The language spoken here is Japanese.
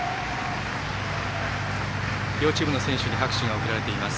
両チームの選手に拍手が送られています。